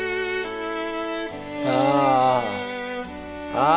ああ。